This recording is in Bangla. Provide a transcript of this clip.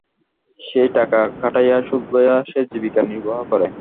সেই টাকা খাটাইয়া সুদ লইয়া সে জীবিকা নির্বাহ করে।